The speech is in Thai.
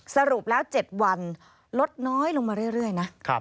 สรุปแล้ว๗วันลดน้อยลงมาเรื่อยนะ